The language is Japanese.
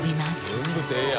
全部手や。